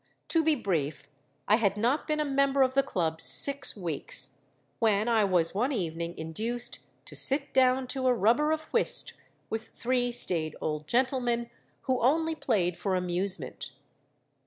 To be brief, I had not been a member of the Club six weeks, when I was one evening induced to sit down to a rubber of whist with three staid old gentlemen, who only played for amusement.